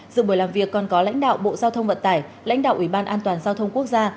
dự buổi làm việc còn có lãnh đạo bộ giao thông vận tải lãnh đạo ủy ban an toàn giao thông quốc gia